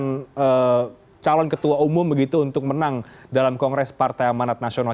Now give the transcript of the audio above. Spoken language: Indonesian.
dengan calon ketua umum begitu untuk menang dalam kongres partai amanat nasional